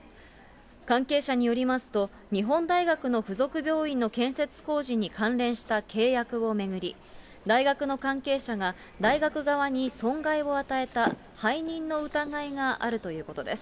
関係者によりますと、日本大学の付属病院の建設工事に関連した契約を巡り、大学の関係者が、大学側に損害を与えた背任の疑いがあるということです。